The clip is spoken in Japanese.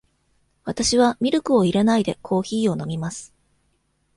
わたしはミルクを入れないで、コーヒーを飲みます。